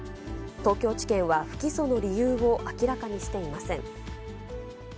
東京地検は不起訴の理由を明らかにしていません。